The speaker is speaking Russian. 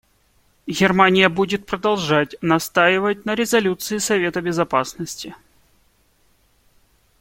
Германия будет продолжать настаивать на резолюции Совета Безопасности.